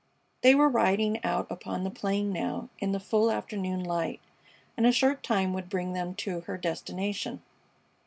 They were riding out upon the plain now in the full afternoon light, and a short time would bring them to her destination.